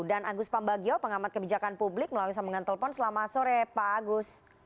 dan agus pambagio pengamat kebijakan publik melalui sambungan telepon selamat sore pak agus